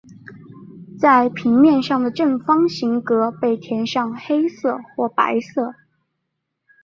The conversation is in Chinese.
在平面上的正方形格被填上黑色或白色。